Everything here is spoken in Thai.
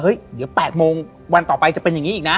เดี๋ยว๘โมงวันต่อไปจะเป็นอย่างนี้อีกนะ